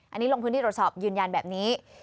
อันนี้ลงพื้นที่ตรวจสอบยืนยันแบบนี้